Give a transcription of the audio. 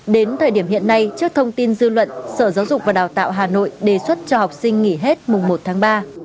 đến thời điểm hiện nay trước thông tin dư luận sở giáo dục và đào tạo hà nội đề xuất cho học sinh nghỉ hết mùng một tháng ba